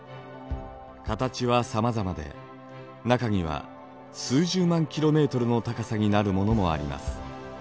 形はさまざまで中には数十万ｋｍの高さになるものもあります。